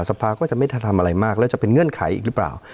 สภาก็จะไม่ทำอะไรมากแล้วจะเป็นเงื่อนไขอีกหรือเปล่า